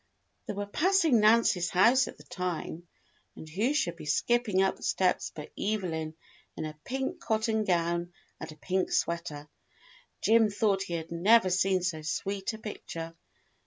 They were passing Nancy's house at the time, and who should be skipping up the steps but Evelyn in a pink cotton gown and a pink sweater. Jim thought he had never seen so sweet a picture.